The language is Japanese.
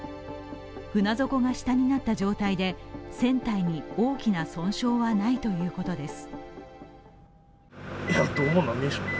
船底が下になった状態で船体に大きな損傷はないということです。